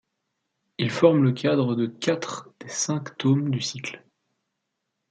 Il forme le cadre de quatre des cinq tomes du cycle.